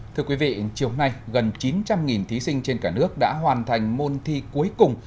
thưa quý vị chiều nay gần chín trăm linh thí sinh trên cả nước đã hoàn thành môn thi cuối cùng